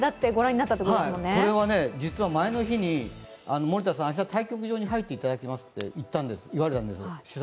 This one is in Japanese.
これは実は前の日に森田さん明日対局場に入っていただきますと言われたんです。